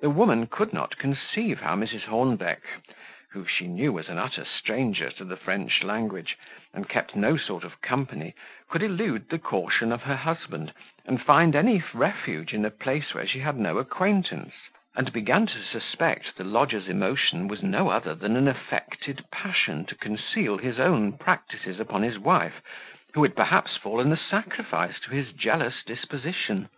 The woman could not conceive how Mrs. Hornbeck, who she knew was an utter stranger to the French language, and kept no sort of company, could elude the caution of her husband, and find any refuge in a place where she had no acquaintance, and began to suspect the lodger's emotion was no other than an affected passion to conceal his own practices upon his wife, who had perhaps fallen a sacrifice to his jealous disposition.